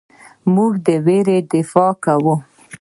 موږ د ویرې دفاع کوو.